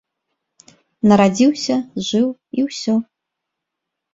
Нарадзіўся, жыў і ўсё.